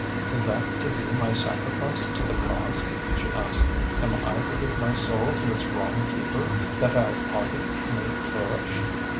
"Is that to be my sacrifice to the cause?" she asked. "Am I to give my soul to its wrong keeper, that our party may flourish?"